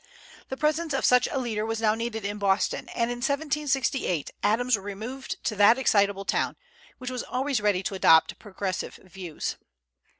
The presence of such a leader was now needed in Boston, and in 1768 Adams removed to that excitable town, which was always ready to adopt progressive views.